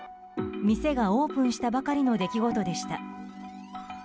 店がオープンしたばかりの出来事でした。